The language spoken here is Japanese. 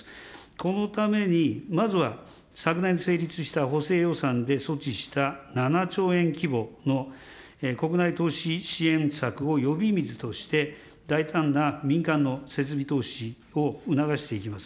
このために、まずは、昨年成立した補正予算で措置した７兆円規模の国内投資支援策を呼び水として、大胆な民間の設備投資を促していきます。